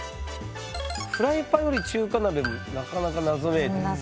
「フライパンより中華鍋」もなかなか謎めいてますね。